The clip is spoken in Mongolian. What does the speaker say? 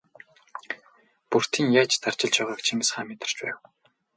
Бөртийн яаж тарчилж байгааг Чингис хаан мэдэрч байв.